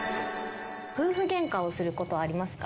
夫婦ゲンカをすることはありますか？